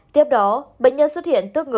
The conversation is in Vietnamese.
tiếp đó bệnh nhân xuất hiện tức ngực